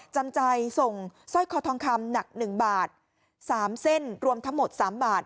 จำใจส่งสร้อยคอทองคำหนัก๑บาท๓เส้นรวมทั้งหมด๓บาท